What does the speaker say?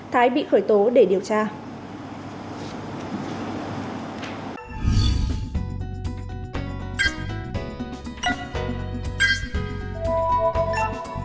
thái bị khởi tố để điều tra